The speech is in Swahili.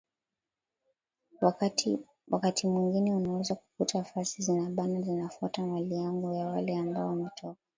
wakati mwengine unaweza kukuta fasi zinabana zinafuata mali yangu ya wale ambao wametoka